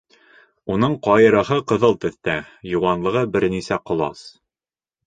Уның ҡайырыһы ҡыҙыл төҫтә, йыуанлығы бер нисә ҡолас.